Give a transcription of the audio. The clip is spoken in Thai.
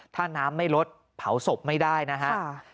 ถ้าน้ำไม่ลดเผาศพไม่ได้นะฮะ